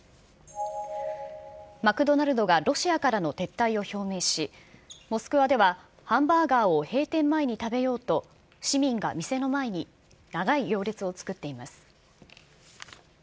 マクドナルドがロシアからの撤退を表明し、モスクワでは、ハンバーガーを閉店前に食べようと、市民が店の前に長い行列を作っています。